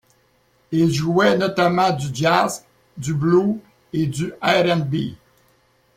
Il jouait notamment du jazz, du blues et du R&B.